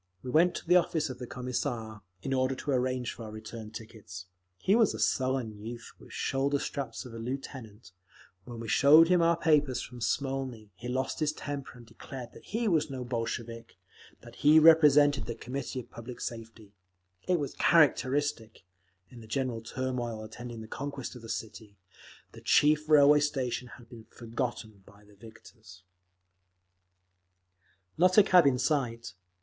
We went to the office of the Commissar, in order to arrange for our return tickets. He was a sullen youth with the shoulder straps of a Lieutenant; when we showed him our papers from Smolny, he lost his temper and declared that he was no Bolshevik, that he represented the Committee of Public Safety…. It was characteristic—in the general turmoil attending the conquest of the city, the chief railway station had been forgotten by the victors…. Not a cab in sight.